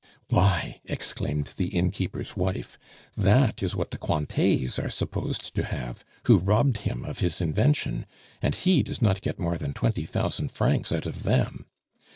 "Why," exclaimed the innkeeper's wife, "that is what the Cointets are supposed to have, who robbed him of his invention, and he does not get more than twenty thousand francs out of them.